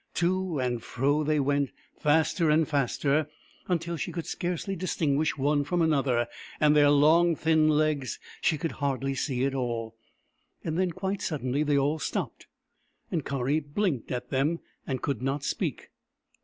To and fro they went, faster and faster, until she could scarcely distinguish one from another, and their long thin legs she could hardly see at all. Then, quite suddenly, they all stopped ; and Kari blinked at them, and could not speak.